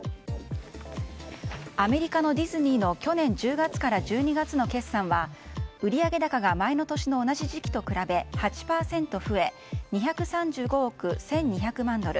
アメリカのディズニーの去年１０月から１２月の決算は売上高が前の年の同じ時期と比べ８％増え２３５億１２００万ドル。